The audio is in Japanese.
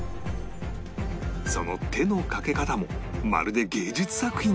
その手のかけ方もまるで芸術作品のように